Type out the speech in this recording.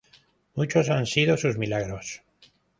Muchos han sido sus milagros.